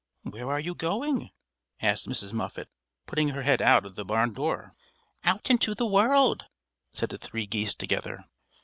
"Where are you going?" asked Mrs. Muffet, putting her head out of the barn door. "Out into the world," said the three geese together.